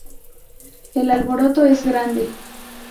El alboroto es grande.